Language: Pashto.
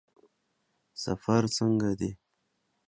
سفر څنګه دی؟